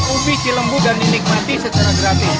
ubi cilembu dan dinikmati secara gratis